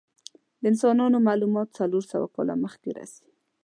د انسانانو معلومات څلور سوه کاله مخکې رسی.